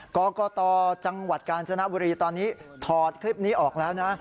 กรกตจังหวัดกาญจนบุรีตอนนี้ถอดคลิปนี้ออกแล้วนะ